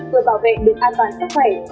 vừa bảo vệ được an toàn sức khỏe